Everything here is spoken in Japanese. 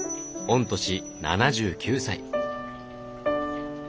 御年７９歳。